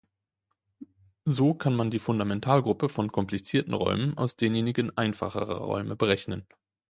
So kann man die Fundamentalgruppe von komplizierten Räumen aus denjenigen einfacherer Räume berechnen.